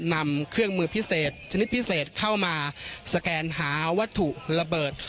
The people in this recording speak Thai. นำเครื่องมือพิเศษชนิดพิเศษเข้ามาสแกนหาวัตถุระเบิด